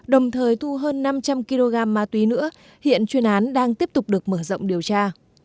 đồng thời thu hơn năm trăm linh kg ma túy nữa hiện chuyên án đang tiếp tục được mở rộng điều tra